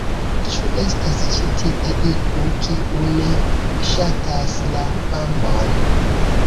Ĉu estas ĉi tie iu, kiu ne ŝatas la Bambon?